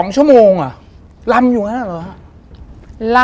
๒ชั่วโมงลำอยู่อย่างนั้นเหรอฮะ